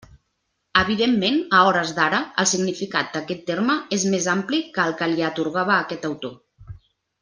Evidentment, a hores d'ara, el significat d'aquest terme és més ampli que el que li atorgava aquest autor.